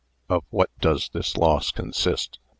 Of what does this loss consist.?